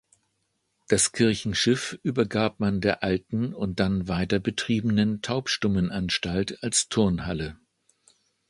Das Kirchenschiff übergab man der alten und dann weiter betriebenen Taubstummenanstalt als Turnhalle.